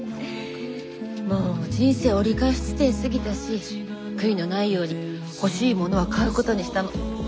もう人生折り返し地点過ぎたし悔いのないように欲しいものは買うことにしたの。